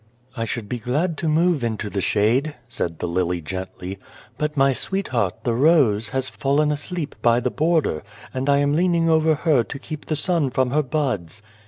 " I should be glad to move into the shade," said the lily gently, " but my sweetheart, the rose, has fallen asleep by the border, and I am leaning over her to keep the sun from her buds."